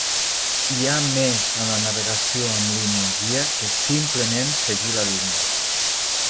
Hi ha més en la navegació amb línia guia que simplement seguir la línia.